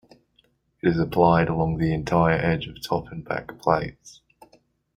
It is applied along the entire edge of top and back plates.